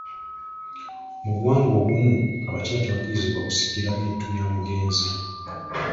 Mu buwangwa obumu abakyala tebakkirizibwa kusikira bintu bya mugenzi.